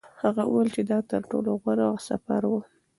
هغه وویل چې دا تر ټولو غوره سفر و.